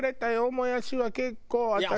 もやしは結構私。